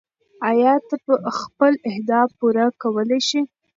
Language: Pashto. ایا ته خپل اهداف پوره کولی شې؟